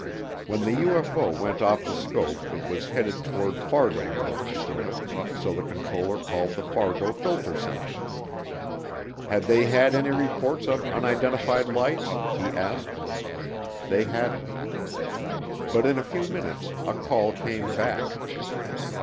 When the UFO went off the scope it was headed toward Fargo, North Dakota, so the controller called the Fargo filter center. "Had they had any reports of unidentified lights?" he asked. They hadn't. But in a few minutes a call came back.